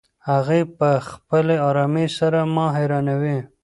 هغه په خپلې ارامۍ سره ما حیرانوي.